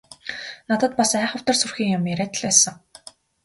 Надад бас айхавтар сүрхий юм яриад л байсан.